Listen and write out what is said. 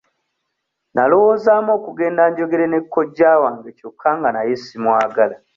Nalowoozaamu okugenda njogere ne kojja wange kyokka nga naye simwagala.